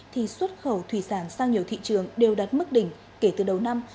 thì xuất khẩu thủy sản sang nhiều thị trường đều đạt mức đỉnh kể từ đầu năm